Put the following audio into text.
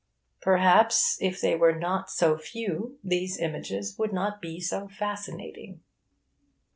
Perhaps, if they were not so few, these images would not be so fascinating.